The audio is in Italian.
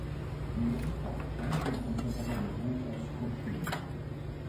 Nella città c'è anche il Conservatorio Francesco Cilea.